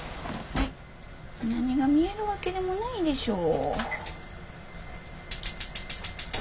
何が見えるわけでもないでしょう。